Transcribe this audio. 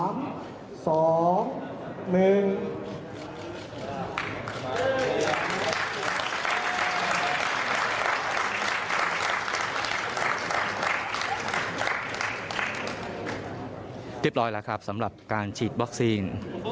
เรียบร้อยแล้วครับสำหรับการฉีดวัคซีน